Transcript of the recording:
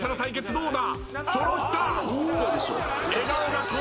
どうだ？